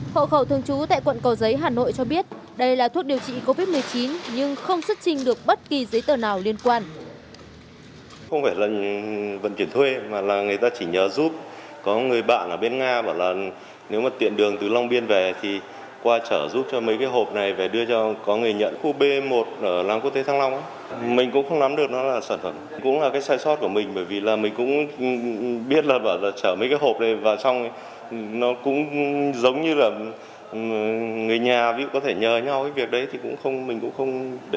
hộ khẩu thường trú tại quận cầu giấy hà nội cho biết đây là thuốc điều trị covid một mươi chín nhưng không xuất trình được bất kỳ giấy tờ nào liên quan